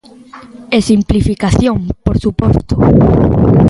E simplificación, por suposto.